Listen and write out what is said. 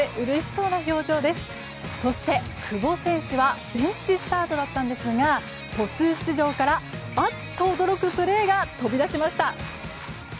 そして、久保選手はベンチスタートだったんですが途中出場からアッと驚くプレーが飛び出しました。